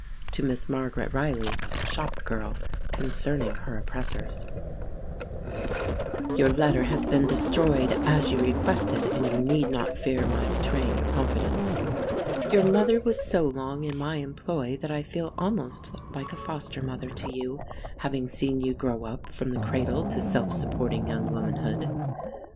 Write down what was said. To Miss Margaret Riley Shop Girl, Concerning Her Oppressors Your letter has been destroyed, as you requested, and you need not fear my betraying your confidence. Your mother was so long in my employ that I feel almost like a foster mother to you, having seen you grow up from the cradle to self supporting young womanhood.